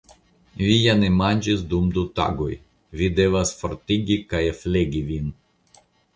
Vi ja ne manĝis dum du tagoj; vi devas fortigi kaj flegi vin